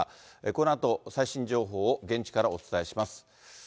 このあと、最新情報を現地からお伝えします。